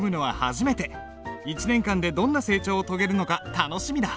１年間でどんな成長を遂げるのか楽しみだ。